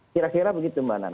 kira kira begitu mbak nana